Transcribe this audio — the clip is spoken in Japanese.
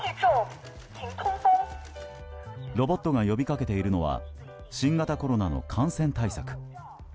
ロボットが呼びかけているのは新型コロナの感染対策。